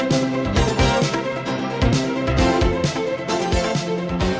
hẹn gặp lại